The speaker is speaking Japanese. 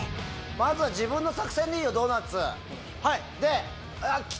まずは自分の作戦でいいよドーナツ。